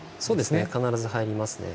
必ず入りますね。